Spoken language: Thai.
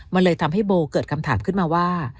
มันเลยทำให้โบเกิดคำถามขึ้นมาว่า